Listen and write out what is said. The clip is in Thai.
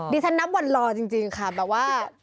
ฉันนับวันรอจริงค่ะแบบว่า